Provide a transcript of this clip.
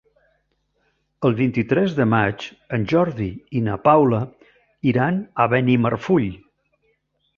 El vint-i-tres de maig en Jordi i na Paula iran a Benimarfull.